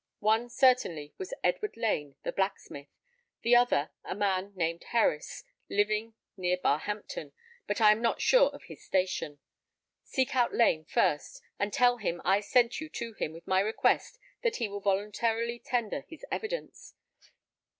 One certainly was Edward Lane, the blacksmith; the other, a man named Herries, living near Barhampton, but I am not sure of his station. Seek out Lane first, and tell him I sent you to him with my request that he will voluntarily tender his evidence.